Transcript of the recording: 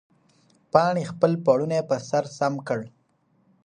پاڼې خپل پړونی پر سر سم کړ.